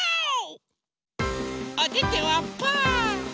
おててはパー。